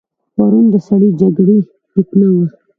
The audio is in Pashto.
پرون د سړې جګړې فتنه وه.